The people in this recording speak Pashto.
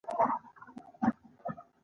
• د سهار لمونځ د زړونو سکون دی.